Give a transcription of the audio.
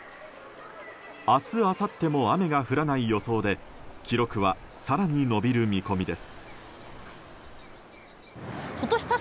明日あさっても雨が降らない予想で記録は更に伸びる見込みです。